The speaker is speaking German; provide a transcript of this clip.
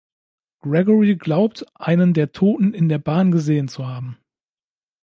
Gregory glaubt, einen der Toten in der Bahn gesehen zu haben.